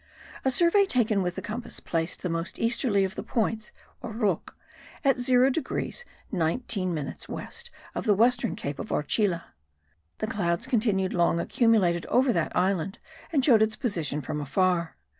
A survey taken with the compass placed the most easterly of the points or roques at 0 degrees 19 minutes west of the western cape of Orchila. The clouds continued long accumulated over that island and showed its position from afar.